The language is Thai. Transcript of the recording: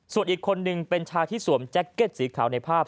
ส่วนอีกคนนึงเป็นชายที่สวมแจ็คเก็ตสีขาวในภาพ